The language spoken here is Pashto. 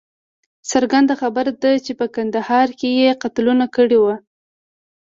څرګنده خبره ده چې په کندهار کې یې قتلونه کړي وه.